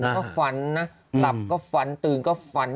ก็ฝันนะหลับก็ฝันตื่นก็ฝัน